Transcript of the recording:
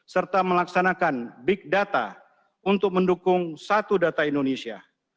serta melaksanakan big data untuk mendukung satu data indonesia